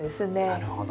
なるほど。